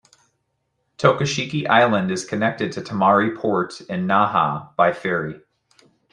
Tokashiki Island is connected to Tomari Port in Naha by ferry.